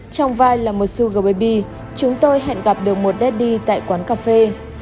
trong vai là một suga baby chúng tôi hẹn gặp được một daddy tại quán cà phê